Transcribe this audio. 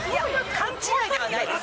勘違いではないです！